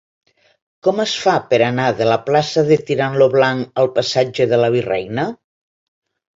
Com es fa per anar de la plaça de Tirant lo Blanc al passatge de la Virreina?